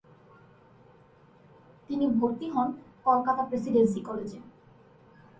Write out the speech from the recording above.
তিনি ভর্তি হন কলকাতা প্রেসিডেন্সি কলেজে।